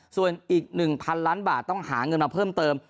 ส่วนอีก๑๐๐๐ล้านบาทต้องหาเงินมาเพิ่มเติม